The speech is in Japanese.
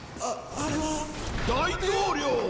大統領！